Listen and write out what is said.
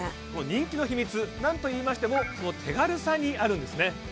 人気の秘密なんといいましてもその手軽さにあるんですね